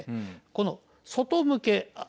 この外向け。